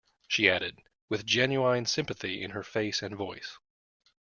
She added, with genuine sympathy in her face and voice.